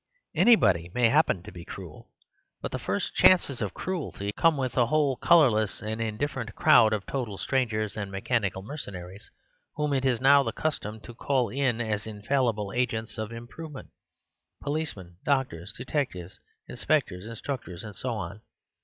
Anybody may happen to be cruel; but the first chances of cruelty come with the whole colourless and indifferent crowd of total strangers and mechanical mercenaries, whom it is now the custom to call in as infallible agents of improvement; policemen, doctors, detectives, inspectors, instructors, and so on.